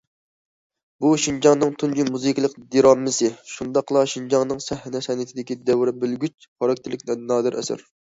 بۇ، شىنجاڭنىڭ تۇنجى مۇزىكىلىق دىرامىسى، شۇنداقلا شىنجاڭنىڭ سەھنە سەنئىتىدىكى دەۋر بۆلگۈچ خاراكتېرلىك نادىر ئەسەر.